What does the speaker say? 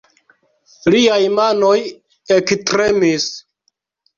Liaj manoj ektremis.